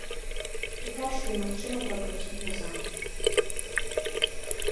І фарш немагчыма пракруціць назад.